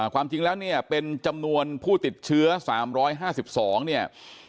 ความจริงแล้วเนี่ยเป็นจำนวนผู้ติดเชื้อ๓๕๒เนี่ย